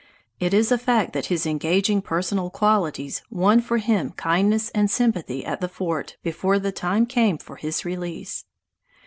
It is a fact that his engaging personal qualities won for him kindness and sympathy at the fort before the time came for his release.